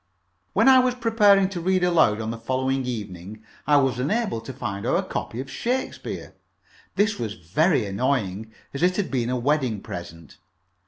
When I was preparing to read aloud on the following evening, I was unable to find our copy of Shakespeare. This was very annoying, as it had been a wedding present.